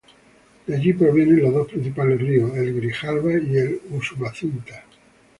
De allí provienen los dos principales ríos, el Grijalva y el Usumacinta.